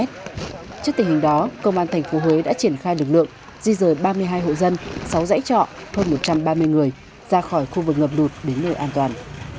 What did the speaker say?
trước tình hình đó công an tp huế đã triển khai lực lượng di rời ba mươi hai hộ dân sáu dãy trọ hơn một trăm ba mươi người ra khỏi khu vực ngập lụt đến nơi an toàn